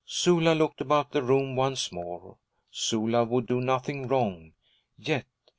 Sula looked about the room once more. Sula would do nothing wrong yet.